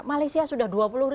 malaysia sudah dua puluh